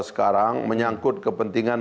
sekarang menyangkut kepentingan